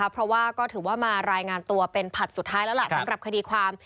เพราะว่าก็ถือว่ามารายงานตัวเป็นผลัดสุดท้ายแล้วล่ะสำหรับคดีความ